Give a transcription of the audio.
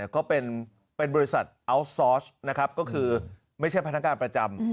ก็เป็นบริษัทอัลซอสนะครับก็คือไม่ใช่พนักงานประจำ